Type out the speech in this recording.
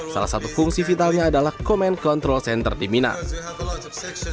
salah satu fungsi vitalnya adalah command control center di minar